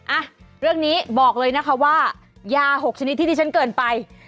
อ่ะเรื่องนี้บอกเลยนะคะว่ายา๖ชนิดที่ที่ฉันเกินไป